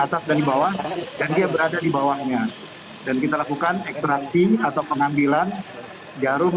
dan kita lakukan ekstraksi atau pengambilan jarum